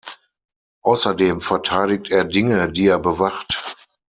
Außerdem verteidigt er Dinge, die er bewacht.